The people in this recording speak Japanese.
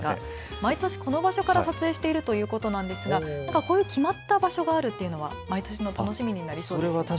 毎年、この場所から撮影しているということなんですが決まった場所があるというのは毎年の楽しみになりそうですね。